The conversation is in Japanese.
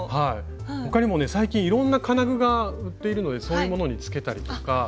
他にもね最近いろんな金具が売っているのでそういうものにつけたりとか。